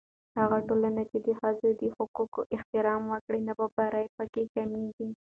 هغه ټولنه چې د ښځو د حقوقو احترام وکړي، نابرابري په کې کمېږي.